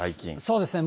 そうですね。